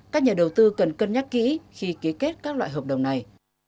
các nhà đầu tư cần cân nhắc kỹ khi ký kết các loại hợp đồng này